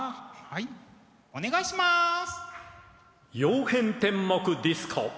はいお願いします！